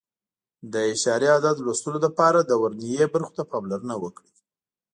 د اعشاري عدد لوستلو لپاره د ورنیې برخو ته پاملرنه وکړئ.